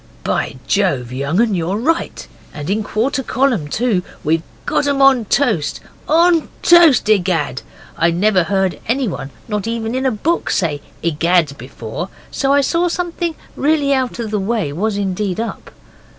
'By Jove, young un, you're right! And in quarter column, too! We've got em on toast on toast egad!' I never heard anyone not in a book say 'egad' before, so I saw something really out of the way was indeed up.